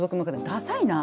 ダサいな。